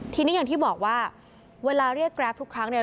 ทีนี้อย่างที่บอกว่าเวลาเรียกแกรปทุกครั้งเนี่ย